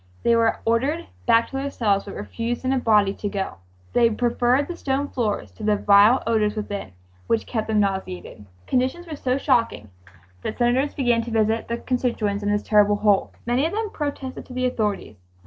They were ordered back to their cells but refused in a body to go. They preferred the stone floors to the vile odors within, which kept them nauseated. Conditions were so shocking that Senators began to visit their constituents in this terrible hole. Many of them protested to the authorities.